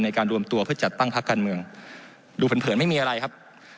การรวมตัวเพื่อจัดตั้งพักการเมืองดูเผินไม่มีอะไรครับ